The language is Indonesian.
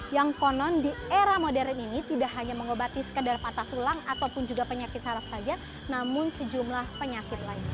yang konon di era modern ini tidak hanya mengobati sekedar patah tulang ataupun juga penyakit saraf saja namun sejumlah penyakit lain